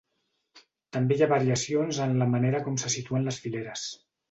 També hi ha variacions en la manera com se situen les fileres.